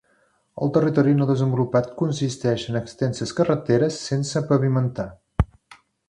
El territori no desenvolupat consisteix en extenses carreteres sense pavimentar.